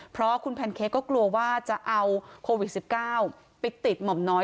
เพราะคุณแพนเค้กก็กลัวว่าจะเอาโควิด๑๙ไปติดหม่อมน้อย